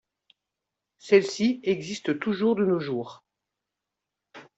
Celle-ci existe toujours de nos jours.